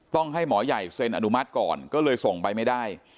ต้องให้หมอใหญ่เซ็นอนุมัติก่อนก็เลยส่งไปไม่ได้